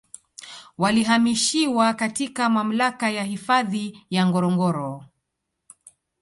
Walihamishiwa katika Mamlaka ya hifadhi ya Ngorongoro